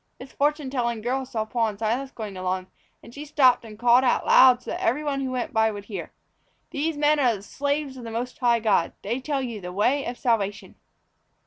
The fortune telling girl saw Paul and Silas going along, and she stopped and called out loud so that everyone who went by might hear: "These men are the slaves of the Most High God. They tell you the way of Salvation."